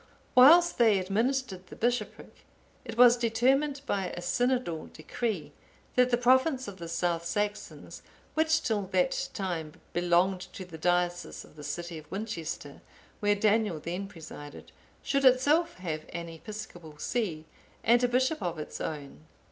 Whilst they administered the bishopric, it was determined by a synodal decree, that the province of the South Saxons, which till that time belonged to the diocese of the city of Winchester, where Daniel then presided, should itself have an episcopal see, and a bishop of its own.